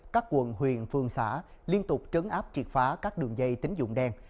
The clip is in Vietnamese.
các quận huyền phương xã liên tục trấn áp triệt phá các đường dây tính dụng đen